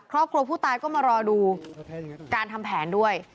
ครอบครัวผู้ตายก็มารอดูการทำแผนด้วย